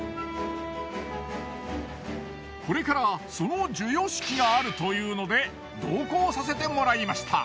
これからその授与式があるというので同行させてもらいました。